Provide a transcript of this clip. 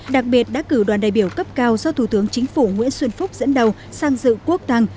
đặc biệt đã cử đoàn đại biểu cấp cao do thủ tướng chính phủ nguyễn xuân phúc dẫn đầu sang dự quốc tăng